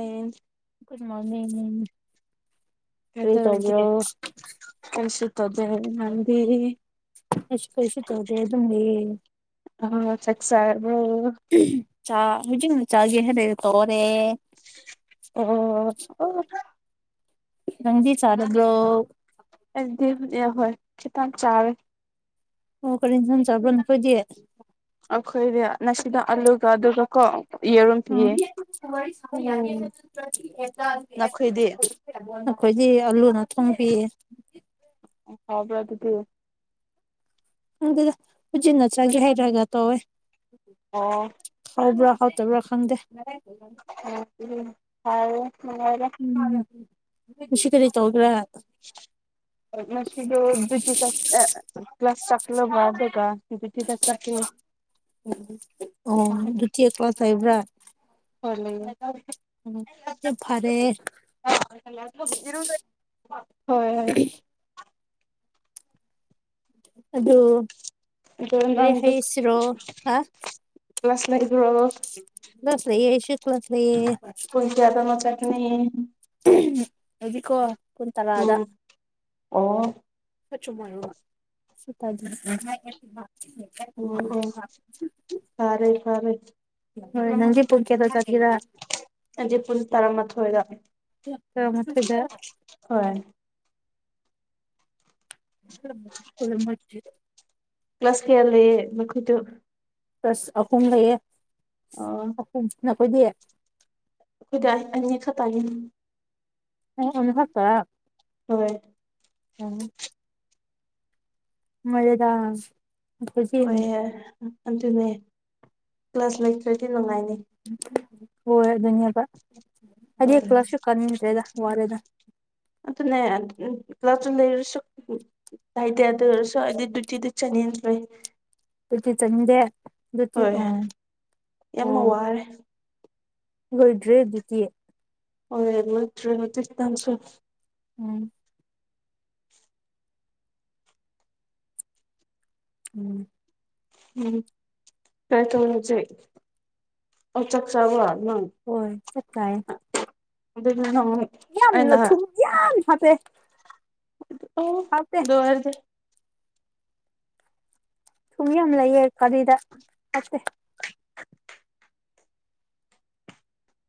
ꯎꯝ good morning ꯀꯔꯤ ꯇꯣꯕ꯭ꯔꯣ ꯀꯩꯁꯨ ꯇꯧꯗꯦ ꯍꯧꯖꯤꯛ ꯀꯥꯟꯗꯤ ꯑꯩꯁꯨ ꯀꯩꯁꯨ ꯇꯧꯗꯦ ꯑꯗꯨꯝ ꯂꯩꯌꯦ ꯑꯥ ꯆꯥꯛ ꯆꯥꯔꯕ꯭ꯔꯣ ꯆꯥ ꯍꯧꯖꯤꯛꯅ ꯆꯥꯒꯦ ꯍꯥꯏꯅ ꯇꯧꯔꯦ ꯑꯣ ꯑꯣ ꯅꯪꯗꯤ ꯆꯥꯔꯕ꯭ꯔꯣ ꯑꯩꯗꯤ ꯍꯧꯖꯤ ꯍꯣꯏ ꯈꯤꯇꯪ ꯆꯥꯔꯦ ꯑꯣ ꯀꯔꯤ ꯏꯟꯁꯥꯡ ꯆꯥꯕ꯭ꯔꯥ ꯅꯈꯣꯏꯗꯤ ꯑꯈꯣꯏꯗꯤ ꯅꯁꯤꯗ ꯑꯂꯨꯒ ꯑꯗꯨꯒ ꯀꯣ ꯌꯦꯔꯨꯝ ꯎꯝ ꯄꯤꯌꯦ ꯅꯈꯣꯏꯗꯤ ꯎꯝ ꯑꯈꯣꯏꯗꯤ ꯑꯂꯨꯅ ꯊꯣꯡꯕꯤꯌꯦ ꯍꯥꯎꯕ꯭ꯔ ꯑꯗꯨꯗꯤ ꯈꯪꯗꯦꯗ ꯍꯧꯖꯤꯅ ꯆꯥꯒꯦꯍꯥꯏꯔꯒ ꯇꯧꯋꯦ ꯑꯣ ꯍꯥꯎꯕ꯭ꯔꯥ ꯍꯥꯎꯇꯕ꯭ꯔꯥ ꯈꯪꯗꯦ ꯎꯝ ꯎꯝ ꯐꯔꯦ ꯅꯨꯡꯉꯥꯏꯔꯦ ꯎꯝ ꯉꯁꯤ ꯀꯔꯤ ꯇꯧꯒꯦꯔꯥ ꯉꯁꯤꯗꯣ ꯍꯧꯖꯤꯛꯀꯤꯗꯣ ꯀ꯭ꯂꯥꯁ ꯆꯛꯂꯕ ꯑꯗꯨꯒ ꯍꯧꯖꯤꯛꯀꯤꯗ ꯆꯠꯀꯦ ꯑꯣ ꯑꯗꯨ ꯇꯤꯌꯥ ꯀ꯭ꯂꯥꯁ ꯂꯩꯕ꯭ꯔꯥ ꯍꯣꯏ ꯂꯩꯌꯦ ꯎꯝ ꯌꯥꯝ ꯐꯥꯔꯦ ꯍꯣꯏ ꯍꯣꯏ ꯑꯗꯨ ꯑꯗꯨ ꯀꯔꯤ ꯅꯪꯗꯤ ꯍꯥꯏꯁꯤꯔꯣ ꯍꯥ ꯀ꯭ꯂꯥꯁ ꯂꯩꯕꯔꯣ ꯀ꯭ꯂꯥꯁ ꯂꯩꯌꯦ ꯑꯩꯁꯨ ꯀ꯭ꯂꯥꯁ ꯂꯩꯌꯦ ꯑꯍꯝ ꯄꯨꯡ ꯀꯌꯥꯗꯅꯣ ꯆꯠꯀꯅꯤ ꯑꯩꯗꯤꯀꯣ ꯄꯨꯡ ꯇꯥꯔꯥꯗ ꯎꯝ ꯑꯣ ꯍꯥꯠꯆꯨ ꯃꯣꯏꯔꯣꯃꯥ ꯁꯤ ꯇꯥꯗꯤ [unintelligible] ꯑꯣ ꯑꯣ ꯇꯥꯔꯦ ꯇꯥꯔꯦ ꯍꯣꯏ ꯅꯪꯗꯤ ꯄꯨꯛ ꯀꯌꯥꯗ ꯆꯠꯀꯦꯔꯥ ꯍꯧꯖꯤꯛ ꯄꯨꯟ ꯇꯔꯥꯃꯥꯊꯣꯏꯗ ꯌꯥ ꯇꯔꯥꯃꯊꯣꯏꯗ ꯍꯣꯏ [unintelligible] ꯃꯣꯏꯆꯤꯠ ꯀ꯭ꯂꯥꯁ ꯀꯌꯥ ꯂꯩꯌꯦ ꯃꯈꯣꯏꯗꯣ ꯄꯁ ꯑꯍꯨꯝ ꯂꯩꯌꯦ ꯑꯣ ꯑꯍꯨꯝ ꯅꯈꯣꯏꯗꯤ ꯑꯩꯈꯣꯏꯗꯥꯏ ꯑꯅꯤ ꯈꯛꯇꯥꯅꯤ ꯑꯣ ꯑꯅꯤ ꯈꯛꯇꯔꯥ ꯍꯣꯏ ꯎꯝ ꯃꯔꯦꯗꯥ ꯍꯣꯏ ꯑꯗꯨꯅꯦ ꯄ꯭ꯂꯁ ꯂꯩꯇ꯭ꯔꯗꯤ ꯅꯨꯡꯉꯥꯏꯅꯤ ꯍꯣꯏ ꯑꯗꯨꯅꯦꯕ ꯍꯣꯏ ꯑꯩꯗꯤ ꯀ꯭ꯂꯥꯁꯁꯨ ꯀꯥꯅꯤꯡꯗ꯭ꯔꯦꯗ ꯋꯥꯔꯦꯗ ꯑꯗꯨꯅꯦ ꯑꯗꯨ ꯀ꯭ꯂꯥꯁꯇ ꯂꯩꯔꯁꯨ ꯎꯝ ꯇꯥꯏ ꯇꯌꯥ ꯑꯗꯨꯑꯣꯏꯔꯁꯨ ꯑꯩꯗꯤ ꯗꯨꯇꯤꯗꯤ ꯆꯠꯅꯤꯡꯗ꯭ꯔꯦ ꯗꯨꯇꯤ ꯆꯠꯅꯤꯡꯗꯦ ꯑꯗꯨꯇꯤ ꯍꯣꯏ ꯑꯣ ꯌꯥꯝꯅ ꯑꯣ ꯋꯥꯔꯦ ꯂꯣꯏꯗ꯭ꯔꯦ ꯗ꯭ꯌꯨꯇꯤ ꯍꯣꯏ ꯂꯣꯏꯇ꯭ꯔꯦ [unintelligible] ꯇꯥꯡꯁꯨ ꯎꯝ ꯎꯝ ꯎꯝ ꯀꯥꯏ ꯊꯣꯡꯖꯤ ꯑꯥꯏ ꯆꯥꯛ ꯆꯥꯔꯕ ꯅꯪ ꯍꯣꯏ ꯆꯥꯛ ꯆꯥꯏꯌꯦ ꯑꯗꯨꯗꯤ ꯅꯪ ꯌꯥꯝꯅ ꯑꯩꯅ ꯊꯨꯝ ꯌꯥꯝ ꯐꯠꯇꯦ ꯑꯗꯨ ꯑꯣ ꯗꯣꯏꯔꯗꯤ ꯊꯨꯝ ꯌꯥꯝ ꯂꯩꯌꯦ ꯀꯔꯤꯗ ꯐꯠꯇꯦ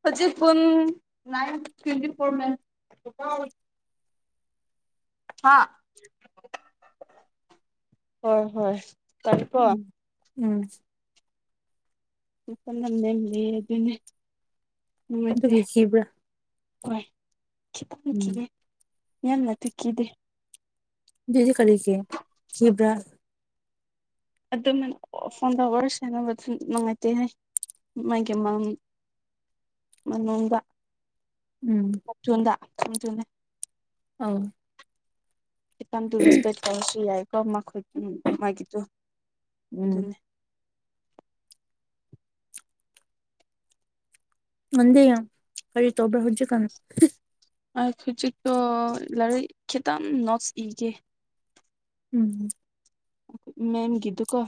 ꯍꯧꯖꯤꯛ ꯄꯨꯟ ꯅꯥꯏꯟ ꯇ꯭ꯋꯦꯟꯇꯤ ꯐꯣꯔ ꯃꯦꯝ [unintelligible] ꯍꯥ ꯍꯣꯏ ꯍꯣꯏ ꯇꯔꯦꯀꯣ ꯎꯝ ꯎꯝ ꯄꯟ ꯃꯝ ꯂꯝ ꯂꯩꯌꯦ ꯗꯨꯅꯥ ꯅꯨꯡꯉꯥꯏꯇꯦ ꯑꯗꯨꯒꯤ ꯀꯤꯕ꯭ꯔꯥ ꯍꯣꯏ ꯈꯤꯇꯪ ꯎꯝ ꯀꯤꯒꯦ ꯌꯥꯝꯅꯇꯨ ꯀꯤꯗꯦ ꯑꯗꯨꯗꯤ ꯀꯔꯤꯀꯤ ꯀꯤꯕ꯭ꯔꯥ ꯑꯗꯨꯃꯥꯏꯅ ꯑꯣ ꯐꯣꯟꯗꯋꯥꯔꯤ ꯁꯥꯅꯕꯗ ꯅꯨꯡꯉꯥꯏꯇꯦꯍꯦ ꯃꯥꯒꯤ ꯃꯝ ꯃꯅꯨꯡꯗ ꯎꯝ ꯃꯆꯨꯟꯗ ꯆꯨꯝ ꯆꯨꯅꯦ ꯑꯧ ꯈꯤꯇꯪ ꯗꯨ ꯔꯤꯁꯄ‌ꯦꯛ ꯇꯧꯔꯁꯨ ꯌꯥꯏꯀꯣ ꯃꯈꯣꯏ ꯎꯝ ꯃꯥꯒꯤꯗꯨ ꯎꯝ ꯑꯗꯨꯅꯦ ꯅꯪꯗꯤ ꯀꯔꯤ ꯇꯧꯕ꯭ꯔꯥ ꯍꯧꯖꯤꯛ ꯀꯥꯟ ꯑꯩ ꯍꯧꯖꯤꯛꯇꯣ ꯂꯥꯏꯔꯤꯛ ꯈꯤꯇꯪ ꯅꯣꯠꯁ ꯏꯒꯦ ꯎꯝ [unintelligible] ꯃꯦꯝꯒꯤꯗꯨꯀꯣ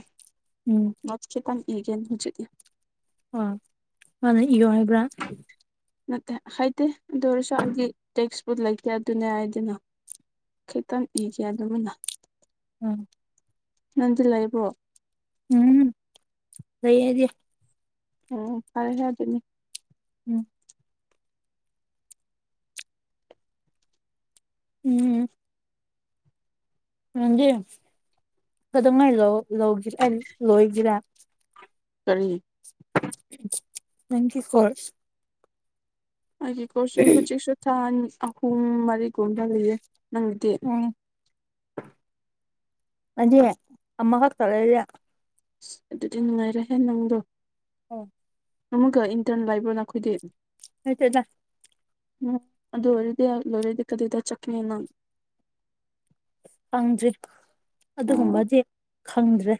ꯎꯝ ꯅꯣꯆ ꯈꯤꯇꯪ ꯏꯒꯦꯟ ꯍꯨꯖꯤꯛ ꯑꯣ ꯃꯥꯅ ꯏꯌꯣ ꯍꯥꯏꯕ꯭ꯔꯥ ꯅꯠꯇꯦ ꯍꯥꯏꯗꯦ ꯑꯗꯨ ꯑꯣꯏꯔꯁꯨ ꯑꯩꯗꯤ ꯇꯦꯛꯁꯕꯨꯛ ꯂꯩꯇꯦ ꯑꯗꯨꯅ ꯑꯥꯏ ꯗꯣꯟꯅꯣ ꯈꯤꯇꯪ ꯏꯒ‌ꯦ ꯑꯗꯨꯝꯃꯤꯅ ꯎꯝ ꯅꯪꯗꯤ ꯂꯩꯕ꯭ꯔꯣ ꯎꯝ ꯂꯩꯔꯗꯤ ꯑꯣ ꯑꯣ ꯐꯔꯦ ꯍꯥꯏꯗꯨꯅꯤ ꯎꯝ ꯎꯝ ꯅꯪꯗꯤ ꯀꯩꯗꯧꯉꯩ ꯂꯣꯏ ꯂꯧ ꯖꯤ [unintelligible] ꯂꯣꯏꯖꯤꯔꯥ ꯀꯔꯤ [unintelligible] ꯅꯪꯒꯤ ꯈꯣꯔꯁ ꯑꯩꯒꯤꯀꯣꯔꯁꯨ ꯍꯧꯖꯤꯛꯁꯨ ꯊꯥ ꯑꯟꯅꯤ ꯑꯍꯨꯝ ꯃꯔꯤꯒꯨꯝꯕ ꯂꯩꯌꯦ ꯅꯪꯒꯤꯗꯤ ꯎꯝ ꯑꯩꯗꯤ ꯑꯃ ꯈꯛꯇ ꯂꯩꯌ‌ꯦ ꯑꯁ ꯑꯗꯨꯗꯤ ꯅꯨꯡꯉꯥꯏꯔꯦꯍꯦ ꯅꯪꯗꯣ ꯑꯣ ꯑꯃꯨꯛꯀ ꯏꯟꯇ꯭ꯔꯟ ꯂꯩꯕ꯭ꯔꯣ ꯅꯈꯣꯏꯗꯤ ꯂꯩꯇ‌ꯦꯗꯥ ꯎꯝ ꯑꯗꯨ ꯑꯣꯏꯔꯗꯤ ꯑ ꯂꯣꯏꯔꯗꯤ ꯀꯗꯥꯏꯗ ꯆꯠꯀ‌ꯅꯤ ꯅꯪ ꯐꯪꯗ꯭ꯔꯤ ꯑꯣ ꯑꯗꯨꯒꯨꯝꯕꯗꯤ ꯈꯪꯗ꯭ꯔꯦ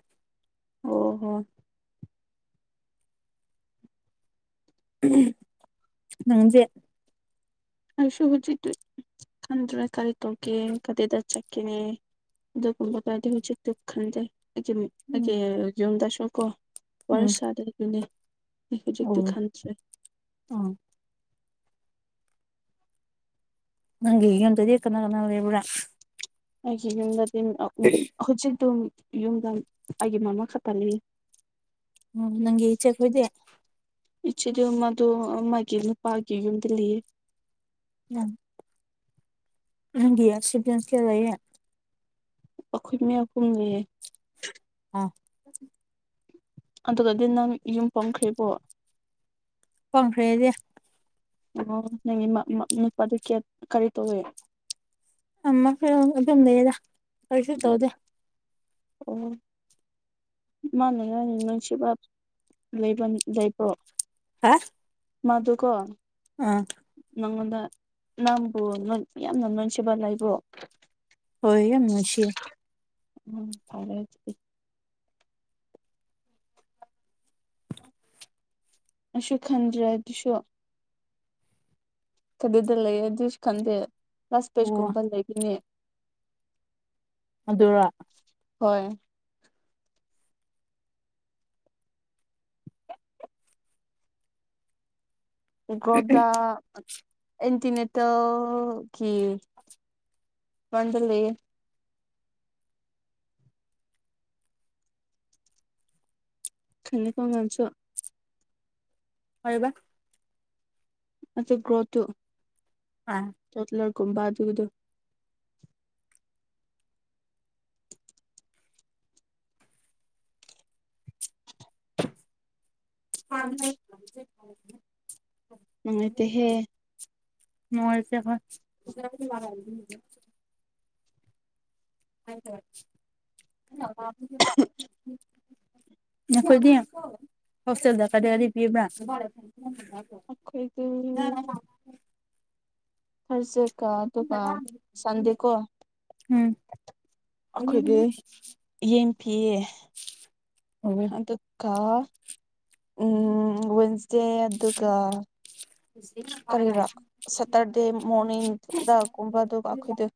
ꯑꯣ ꯍꯣ [unintelligible] ꯅꯪꯖꯦ ꯑꯩꯁꯨ ꯍꯨꯖꯤꯛꯇꯤ ꯈꯟꯗ꯭ꯔꯦ ꯀꯔꯤ ꯇꯧꯀꯦ ꯀꯔꯤꯗ ꯆꯠꯀꯤꯅꯤ ꯑꯗꯨꯒꯨꯝꯕ [unintelligible] ꯈꯟꯗꯦ [unintelligible] ꯎꯝ ꯑꯩꯒꯤ ꯌꯨꯝꯗꯁꯨꯀꯣ ꯋꯥꯔꯤ ꯎꯝ ꯁꯥꯗꯦ ꯑꯗꯨꯅꯦ ꯑꯩ ꯑꯣ ꯍꯧꯖꯤꯛꯇꯤ ꯈꯟꯗ꯭ꯔꯦ ꯑꯣ ꯅꯪꯒꯤ ꯌꯨꯝ ꯇꯗꯤ ꯀꯅꯥ ꯀꯅꯥ ꯂꯩꯕ꯭ꯔꯥ ꯑꯩꯒꯤ ꯌꯨꯝꯗꯗꯤ ꯑ ꯎꯝ ꯍꯧꯖꯤꯛ ꯑꯗꯨꯝ ꯌꯨꯝꯗ ꯑꯩꯒꯤ ꯃꯃꯥ ꯈꯛꯇ ꯂꯩꯌꯦ ꯎꯝ ꯅꯪꯒꯤ ꯏꯆꯦ ꯈꯣꯏꯗꯤ ꯏꯆꯦꯗꯣ ꯃꯗꯣ ꯑ ꯃꯥꯒꯤꯅꯨꯄꯥꯒꯤ ꯌꯨꯝꯗ ꯂꯩꯌꯦ ꯅꯝ ꯅꯪꯒꯤ ꯁꯤꯕꯤꯡꯁ ꯀꯌꯥ ꯂꯩꯌꯦ ꯑꯩꯈꯣꯏ ꯃꯌꯥꯝ ꯄꯨꯝ ꯂꯩꯌꯦ ꯑꯥ ꯑꯗꯨꯗꯗꯤ ꯅꯪ ꯌꯨꯝ ꯄꯥꯡꯈ꯭ꯔꯦꯀꯣ ꯄꯥꯡꯈ꯭ꯔꯦ ꯍꯥꯏꯗꯤ ꯑꯣ ꯅꯪꯒꯤ ꯃꯞ ꯃꯞ ꯅꯦꯅꯀꯣ ꯑꯗꯨ ꯀꯦꯌ꯭ꯔꯇ ꯀꯔꯤ ꯇꯧꯔꯤ ꯑꯃ ꯍꯣꯝ ꯑꯗꯨꯝ ꯂꯩꯌꯦꯗꯥ ꯀꯔꯤꯁꯨ ꯇꯧꯗꯦ ꯑꯣ ꯃꯥ ꯅꯪ ꯅꯨꯡꯁꯤꯕ ꯂꯩꯕꯝ ꯂꯩꯕ꯭ꯔꯣ [unintelligible] ꯃꯥꯗꯨꯀꯣ ꯑꯥ ꯅꯪꯉꯣꯟꯗ ꯅꯪꯕꯨ ꯅꯣꯏ ꯃꯌꯥꯝꯅ ꯅꯣꯏꯟꯁꯤꯕ ꯂꯩꯕ꯭ꯔꯣ? ꯍꯣꯏ ꯌꯥꯝ ꯅꯨꯡꯉꯣꯟꯁꯤꯌꯦ ꯎꯝ ꯐꯥꯔꯦ ꯑꯗꯨꯗꯤ ꯅꯪꯁꯨ ꯈꯟꯗ꯭ꯔ ꯗꯨꯁꯨ ꯀꯗꯥꯏꯗꯥ ꯂꯩꯌꯦ ꯑꯗꯨꯁꯨ ꯈꯟꯗꯦ ꯂꯥꯁ ꯑꯣ ꯄꯦꯖꯀꯨꯝꯕ ꯂꯩꯕꯅꯦ ꯑꯗꯨꯔꯥ ꯍꯣꯏ ꯒ꯭ꯔꯣꯗꯗꯥ ꯑꯠ ꯑꯦꯟꯇꯤꯅꯦꯠꯇꯜ ꯀꯤ ꯐꯔꯟꯗꯥ ꯂꯩꯌꯦ ꯈꯅꯤꯀꯣ ꯅꯪꯆꯨ ꯀꯣꯏꯔꯤꯕ ꯑꯗꯨ ꯒ꯭ꯔꯣ ꯇꯨ [unintelligible] ꯇꯣꯗꯇ꯭ꯂ꯭ꯔ ꯀꯨꯝꯕ ꯑꯗꯨꯒꯗꯨ [unintelligible] ꯅꯨꯡꯉꯥꯏꯇꯦꯍꯦ ꯅꯨꯡꯉꯥꯏꯇꯦ ꯍꯣꯏ [unintelligible] [unintelligible] ꯅꯈꯣꯏꯗꯤ ꯍꯣꯁꯇꯦꯜꯗ ꯀꯗꯥꯏ [unintelligible] ꯄꯤꯕ꯭ꯔꯥ? [unintelligible] ꯑꯈꯣꯏꯇꯨ ꯃꯤ ꯃꯤ ꯍꯔꯁꯦ ꯀꯥꯇꯨꯀꯥ ꯁꯟꯗꯦ ꯀꯣ ꯎꯝ ꯑꯈꯣꯏꯗꯤ ꯌꯦꯟ ꯄꯤꯌꯦ [unintelligible] ꯑꯗꯨꯀꯥ ꯎꯝ ꯋꯥꯟꯁꯗꯦ ꯑꯗꯨꯒ [unintelligible] ꯀꯔꯤꯔꯥ ꯁꯠꯇꯔꯗꯦ ꯃꯣꯔꯅꯤꯡꯗꯒꯨꯝꯕ ꯑꯗꯨꯒ ꯑꯈꯣꯏꯗꯨ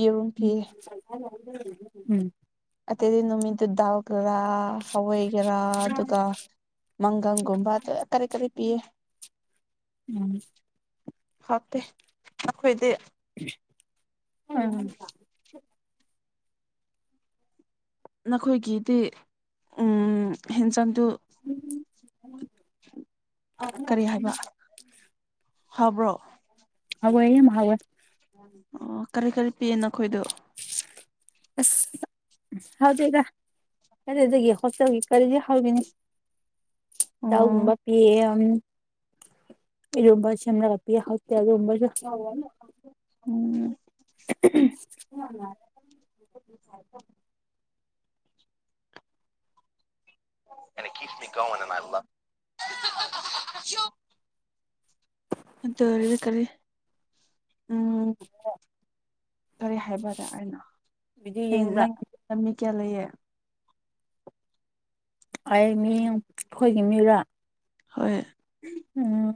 ꯌꯦꯔꯨꯝ ꯎꯝ ꯄꯤꯌꯦ꯫ [inaudible] ꯎꯝ ꯑꯇꯩꯇꯩ ꯅꯨꯃꯤꯠꯇꯨ ꯗꯥꯜꯒꯔꯥ, ꯍꯋꯥꯏꯒꯦꯔꯥ ꯑꯗꯨꯒ ꯃꯪꯒꯪꯒꯨꯝꯕ ꯀꯌꯥ ꯀꯔꯤ ꯀꯔꯤ ꯄꯤꯌꯦ ꯎꯝ ꯍꯥꯎꯇꯦ ꯅꯈꯣꯏꯗꯤ [unintelligible] ꯅꯈꯣꯏꯒꯤꯗꯤ ꯎꯝ ꯍꯦꯟꯖꯥꯡꯗꯨ [inaudible] ꯑꯥ ꯀꯔꯤ ꯍꯥꯏꯕ? ꯍꯥꯕ꯭ꯔꯣ ꯍꯥꯎꯋꯦ ꯌꯝ ꯍꯥꯎꯋꯦ ꯑꯣ ꯀꯔꯤ ꯀꯔꯤ ꯄꯤꯌꯦ ꯅꯈꯣꯏꯗꯨ? ꯑꯁ ꯎꯝ ꯍꯥꯎꯇꯦꯗ ꯀꯗꯥꯏꯗꯒꯤ ꯍꯣꯁꯇꯦꯜꯒꯤ ꯀꯔꯤꯗꯤ ꯍꯥꯎꯒꯅꯤ ꯑꯣ ꯗꯥꯜꯒꯨꯝꯕ ꯄꯤꯌꯦ ꯑꯝ ꯏꯔꯣꯟꯕ ꯁꯦꯝꯔꯒ ꯄꯤꯌꯦ ꯍꯥꯎꯇꯦ ꯑꯗꯨ ꯒꯨꯝꯕꯁꯨ [unintelligible] ꯎꯝ [unintelligible] [unintelligible] ꯑꯗꯨ ꯑꯣꯢꯔꯗꯤ ꯀꯔꯤ ꯎꯝ ꯀꯔꯤ ꯍꯥꯏꯕꯔ ꯑꯩꯅ ꯚꯤꯗꯤꯑꯣ ꯑꯦ ꯌꯦꯡꯕ꯭ꯔꯥ ꯅꯪ ꯅ ꯃꯤ ꯀ꯭ꯌꯥ ꯂꯩꯌꯦ ꯑꯩ ꯃ꯭ꯌꯨ ꯈꯣꯏꯒꯤ ꯃꯤꯔ ꯍꯣꯏ ꯎꯝ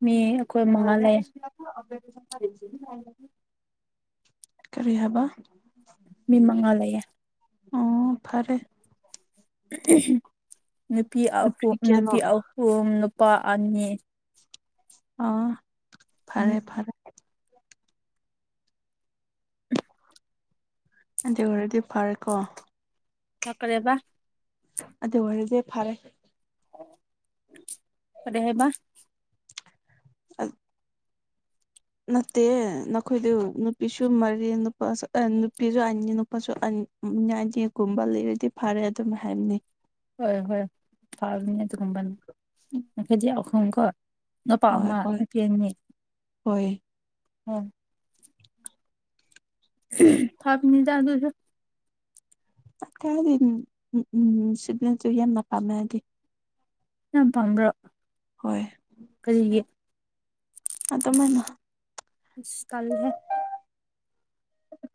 ꯃꯤ ꯑꯈꯣꯏꯝ [unintelligible] ꯀꯔꯤ ꯍꯥꯕ ꯃꯤ ꯃꯉꯥ ꯂꯩꯌꯦ ꯑꯣ ꯐꯔꯦ ꯅꯨꯄꯤ ꯑꯍꯨ ꯅꯨꯄꯤ ꯑꯍꯨꯝ ꯅꯨꯄꯥ ꯑꯅꯤ ꯑ ꯎꯝ ꯐꯔꯦ ꯐꯔꯦ [inaudible] ꯑꯗꯨ ꯑꯣꯢꯔꯗꯤ ꯐꯔꯦꯀꯣ ꯅꯛꯀꯔꯦꯕ ꯑꯗꯨ ꯑꯣꯏꯔꯗꯤ ꯐꯔꯦ ꯀꯔꯤ ꯍꯥꯏꯕ ꯑꯠ ꯅꯠꯇꯦ ꯅꯈꯣꯏꯗꯨ ꯅꯨꯄꯤꯁꯨ ꯃꯔꯤ ꯅꯨꯄꯥꯁꯨ ꯑꯦ ꯅꯨ ꯄꯤꯖꯨ ꯑꯅꯤ ꯅꯨꯄꯥꯁꯨ ꯑꯟ ꯅꯦ ꯑꯩꯗꯤ ꯀꯨꯝꯕ ꯂꯩꯔꯗꯤ ꯐꯔꯦ ꯑꯗꯨꯃꯥꯏ ꯍꯥꯏꯝꯅꯦ ꯍꯣꯏ ꯍꯣꯏ ꯐꯕꯅꯦ ꯑꯗꯨꯒꯨꯝꯕꯟ ꯅꯈꯣꯏꯗꯤ ꯑꯍꯨꯝ ꯀꯣ ꯍꯣꯏ ꯍꯣꯏ ꯍꯣꯏ ꯑꯣꯝ ꯐꯕꯅꯤꯗ ꯑꯗꯨꯁꯨ ꯅꯠꯇꯦ ꯍꯥꯏꯗꯤ ꯅꯨꯡꯁꯤꯠꯅꯖꯨ ꯍꯦꯟꯅ ꯄꯝꯃꯦ ꯍꯥꯗꯤ ꯅꯪ ꯄꯝꯕ꯭ꯔꯣ ꯍꯣꯏ ꯑꯗꯨꯃꯥꯏꯅ ꯑꯁ ꯇꯜꯂꯤꯍꯦ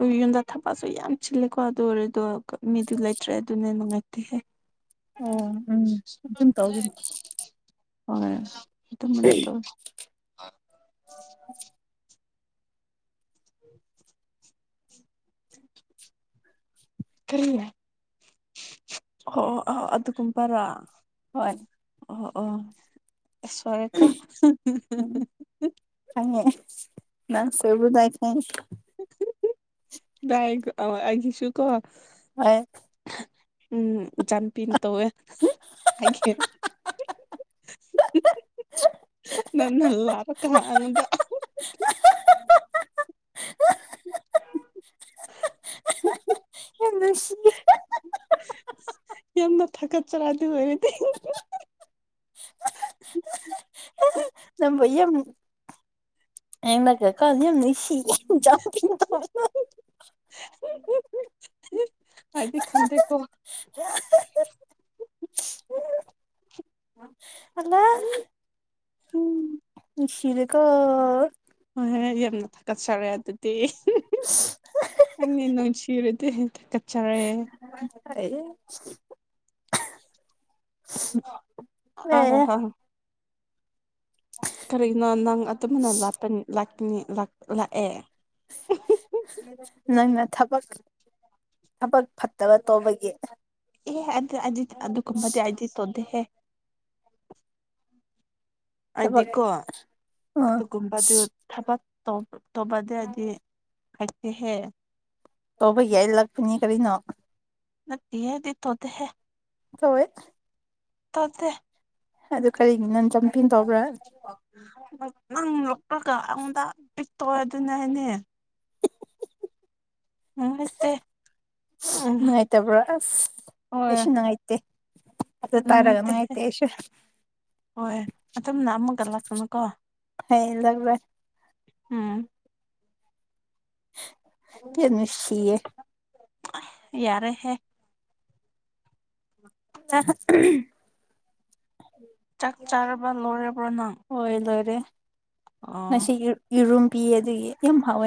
ꯎꯏ ꯌꯨꯝꯗ ꯊꯕꯛꯁꯨ ꯌꯥꯝ ꯆꯤꯜꯂꯦꯀꯣ ꯑꯗꯨ ꯑꯣꯏꯔꯦꯗꯣ ꯀ ꯃꯤꯗꯨ ꯂꯩꯇ꯭ꯔꯦ ꯑꯗꯨꯅꯦ ꯅꯨꯡꯉꯥꯏꯇꯦꯍꯦ [inaudible] ꯎꯝ ꯑꯗꯨꯝ ꯇꯧꯒꯅꯤ ꯍꯣꯏ ꯑꯗꯨꯃꯥꯏꯅ ꯇꯧ ꯀꯔꯤ ꯍꯣ ꯑꯣ ꯑꯗꯨꯒꯨꯝꯕꯔꯥ ꯍꯣꯏ ꯑꯍꯣ ꯑꯣ ꯑꯁ ꯁꯣꯢꯔꯦꯀꯣ ꯎꯝ ꯈꯪꯉꯦ ꯅꯪ ꯁꯣꯏꯕꯗꯣ ꯑꯩ ꯈꯪꯏ ꯅꯥꯏ ꯀꯣ ꯑꯣ ꯑꯩꯒꯤꯁꯨꯨꯀꯣ ꯑꯥꯌꯦ ꯎꯝ ꯏꯆꯥꯅꯨꯄꯤꯅ ꯇꯧꯋꯦ ꯍꯥꯏꯒꯦ ꯅꯟꯅ ꯂꯥꯔꯀ ꯑꯩꯉꯨꯟꯗ ꯌꯥꯅꯁꯤ ꯌꯥꯝꯅ ꯊꯥꯒꯠꯆꯔ ꯑꯗꯨ ꯑꯣꯏꯔꯗꯤ ꯅꯝꯕꯨ ꯌꯝ [unintelligible] ꯑꯥꯏꯗꯤ ꯈꯪꯗꯦꯀꯣ [unintelligible] ꯎꯝ [unintelligible] ꯅꯨꯡꯁꯤꯔꯀꫭ ꯍꯣꯏ ꯍꯣꯏ ꯌꯥꯝꯅ ꯊꯥꯒꯠꯆꯔꯦ ꯑꯗꯨꯗꯤ [inaudible] ꯅꯨꯡꯁꯤꯔꯗꯤ ꯊꯒꯠꯆꯔꯦ [unintelligible] ꯑꯦ [unintelligible] ꯀꯔꯤꯒꯤꯅꯣ ꯅꯪ ꯑꯗꯨꯝꯕꯅ ꯂꯄ ꯂꯅꯤ ꯂꯥꯛꯑꯦ ꯅꯪꯅ ꯊꯕꯛ ꯊꯕꯛ ꯐꯠꯇꯕ ꯇꯧꯕꯒꯤ ꯑꯦ ꯑ ꯑꯗꯨꯗꯨ ꯀꯨꯝꯕꯗꯤ ꯑꯩꯗꯤ ꯇꯣꯗ° ꯍꯦ ꯊꯕꯛ ꯑꯗꯤꯀꯣ ꯑꯥ ꯑꯗꯨꯒꯨꯝꯕꯗꯨ ꯊꯕꯛ ꯇꯧꯕꯗꯗꯤ ꯍꯥꯏꯛꯇꯦꯍꯦ ꯇꯧꯕ ꯌꯥꯏ ꯂꯥꯛꯄꯅꯤ ꯀꯔꯤꯅꯣ ꯅꯠꯇꯍ° ꯑꯩꯗꯤ ꯇꯣꯗꯍꯦ ꯇꯧꯑ° ꯇꯧꯗꯦ ꯑꯗꯨ ꯀꯔꯤꯒꯤ ꯅꯪ ꯖꯝꯄꯤꯡ ꯇꯧꯕ꯭ꯔꯥ ꯅꯪ ꯅꯨꯄꯥꯒ ꯑꯩꯉꫭꯟꯗꯥ ꯄꯤꯛꯇꯧꯑ° ꯑꯗꯨꯅꯦ ꯍꯥꯏꯅꯦ ꯅꯪ ꯍꯩꯇꯦ ꯅꯨꯡꯉꯥꯏꯇꯕ꯭ꯔꯣ ꯑꯁ ꯍꯣꯏ ꯑꯩꯁꯨ ꯅꯨꯡꯉꯥꯏꯇꯦ ꯑꯗꯨ ꯇꯔꯒꯥ ꯅꯨꯡꯉꯥꯏꯇꯦꯍꯦ ꯅꯨꯡꯉꯥꯏꯇꯦ ꯑꯩꯁꯨ ꯍꯣꯏ ꯑꯗꯨꯝ ꯂꯥꯛꯑꯝꯃꯒ ꯂꯥꯛꯀꯅꯨꯀꯣ ꯍꯩꯂꯛꯔꯣꯏ ꯎꯝ ꯌꯥꯝ ꯅꯨꯁꯤꯌ° ꯌꯥꯔꯦ ꯍꯦ [inaudible] [unintelligible] ꯆꯥꯛ ꯆꯥꯔꯕ ꯂꯣꯏꯔꯕꫭ ꯅꯪ ꯍꯣꯏ ꯂꯣꯏꯔꯦ ꯑꯣ ꯉꯁꯤ ꯌꯦꯔꯨꯝ ꯄꯤ ꯑꯗꯨꯒꯤ ꯌꯥꯝ ꯍꯥꯎꯋꯦ